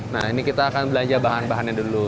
nah ini kita akan belanja bahan bahannya dulu